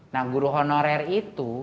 nah guru honorer itu